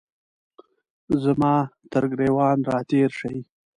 زما ترګریوان را تیر شي